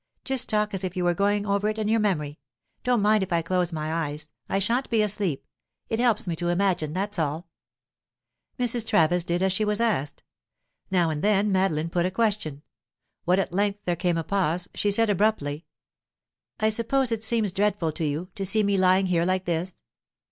Just talk as if you were going over it in your memory. Don't mind if I close my eyes; I shan't be asleep; it helps me to imagine, that's all." Mrs. Travis did as she was asked. Now and then Madeline put a question. When at length there came a pause, she said abruptly: "I suppose it seems dreadful to you, to see me lying here like this?"